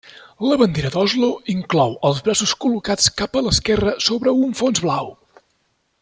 La bandera d'Oslo inclou els braços col·locats cap a l'esquerra sobre un fons blau.